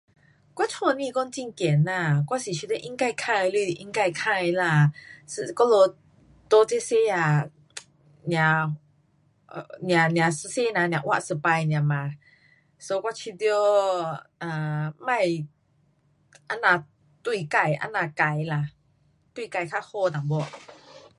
我家不讲很省啦，我是觉得应该花的钱应该花啦，一，我们在这世界 [um]nia, nia, nia 一世人只活一次 nia 嘛，so 我觉得 um 别这样对自这样坏啦，对自较好一点。